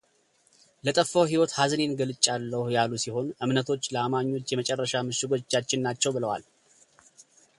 ለጠፋው ሕይወት ሐዘኔን ገልጫለሁ ያሉ ሲሆን እምነቶች ለአማኞች የመጨረሻ ምሽጎቻችን ናቸው ብለዋል።